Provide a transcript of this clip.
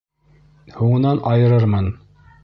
Һуңынан айырырмын!